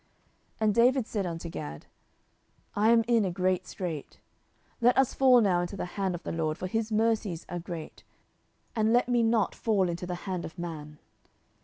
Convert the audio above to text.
10:024:014 And David said unto Gad, I am in a great strait: let us fall now into the hand of the LORD; for his mercies are great: and let me not fall into the hand of man.